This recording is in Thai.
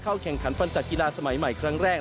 เข้าแข่งขันปรันจัดกีฬาสมัยใหม่ครั้งแรก